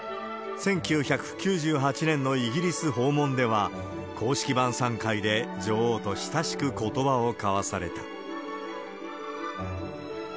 １９９８年のイギリス訪問では、公式晩さん会で女王と親しくことばを交わされた。